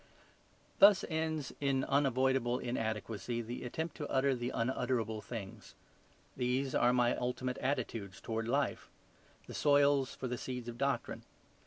Thus ends, in unavoidable inadequacy, the attempt to utter the unutterable things. These are my ultimate attitudes towards life; the soils for the seeds of doctrine.